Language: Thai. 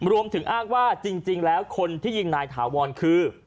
รวมถึงอ้างว่าจริงแล้วคนที่ยิงนายถาวรคือ